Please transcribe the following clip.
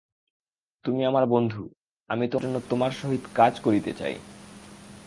তুমি আমার বন্ধু, আমি তোমার জন্য তোমার সহিত কাজ করিতে চাই।